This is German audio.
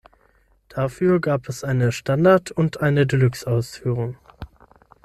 Dafür gab es eine Standard- und eine Deluxe-Ausführung.